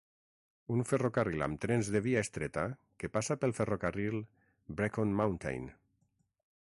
Un ferrocarril amb trens de via estreta que passa pel ferrocarril Brecon Mountain.